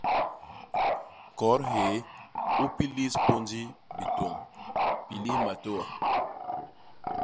Kot hyéé u pilis pôndi bitôñ; pilis matôa.